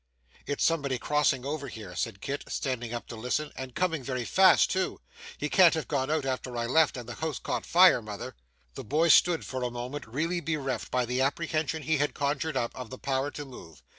'It's somebody crossing over here,' said Kit, standing up to listen, 'and coming very fast too. He can't have gone out after I left, and the house caught fire, mother!' The boy stood, for a moment, really bereft, by the apprehension he had conjured up, of the power to move.